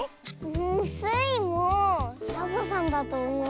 んスイもサボさんだとおもう。